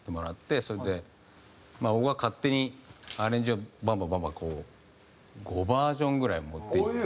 まあ僕が勝手にアレンジをバンバンバンバンこう５バージョンぐらい持っていって。